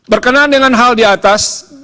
berkenaan dengan hal di atas